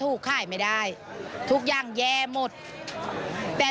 อยู่ที่๔ล้าน๕แสนราย